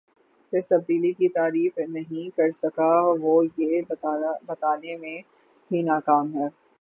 اس تبدیلی کی تعریف نہیں کر سکا وہ یہ بتانے میں بھی ناکام ہے